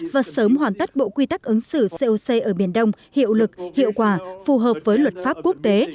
và sớm hoàn tất bộ quy tắc ứng xử coc ở biển đông hiệu lực hiệu quả phù hợp với luật pháp quốc tế